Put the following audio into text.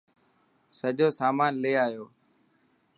سڄو سامان لي آيو.